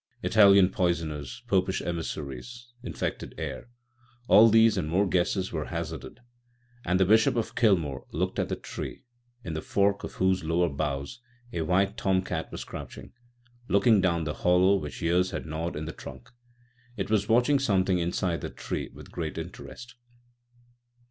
Italian poisoners, Popish emissaries, infected air â€" all these and more guesses were hazarded, and the Bishop of Kilmore looked at the tree, in the fork of whose lower boughs a white tom cat was crouch ing, looking down the hollow which years had gnawed in the trunk. It was watching something inside the tree with great interest.